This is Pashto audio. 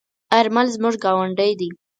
آرمل زموږ گاوندی دی.